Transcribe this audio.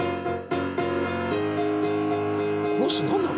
この人何なの？